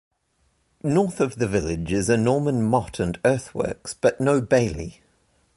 North of the village is a Norman motte and earthworks but no bailey.